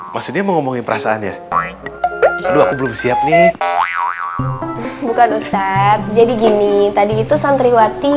maksudnya mau ngomongin perasaannya belum siap nih bukan ustadz jadi gini tadi itu santriwati